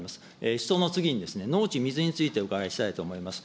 人の次に農地・水についてお伺いしたいと思います。